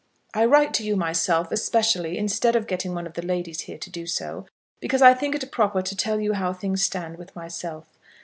I write to you myself, especially, instead of getting one of the ladies here to do so, because I think it proper to tell you how things stand with myself.